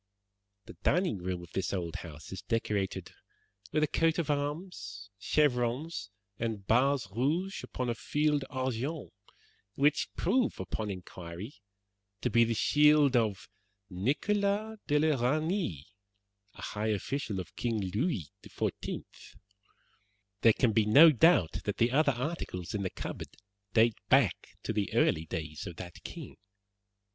The dining room of this old house is decorated with a coat of arms, chevrons, and bars rouge upon a field argent, which prove, upon inquiry, to be the shield of Nicholas de la Reynie, a high official of King Louis XIV. There can be no doubt that the other articles in the cupboard date back to the early days of that king.